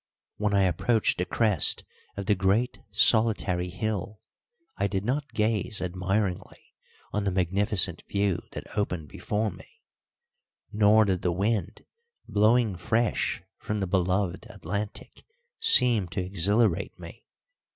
When I approached the crest of the great, solitary hill I did not gaze admiringly on the magnificent view that opened before me, nor did the wind, blowing fresh from the beloved Atlantic, seem to exhilarate me.